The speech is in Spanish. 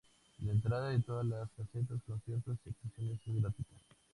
La entrada a todas las casetas, conciertos y actuaciones es gratuita.